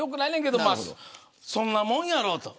そんなもんやろと。